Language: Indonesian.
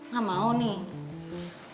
gak mau nih